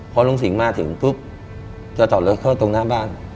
พอลุงสิงห์มาถึงปุ๊บจะจอดรถเข้าตรงหน้าบ้าน